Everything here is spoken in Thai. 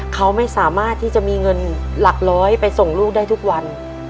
เขาไม่สามารถที่จะมีเงินหลักร้อยไปส่งลูกได้ทุกวัน